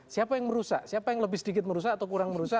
siapa yang merusak siapa yang lebih sedikit merusak atau kurang merusak